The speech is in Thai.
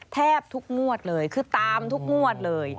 แทบทุกงวดเลยคือตามทุกงวดเลย